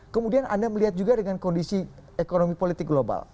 kemudian anda melihat juga dengan kondisi ekonomi politik global